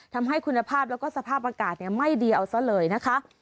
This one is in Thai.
ทำให้คุณภาพแล้วก็สภาพอากาศไม่ดีเอาซะเลยนะคะ